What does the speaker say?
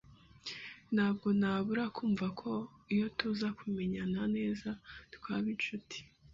Ntabwo nabura kumva ko iyo tuza kumenyana neza, twaba inshuti.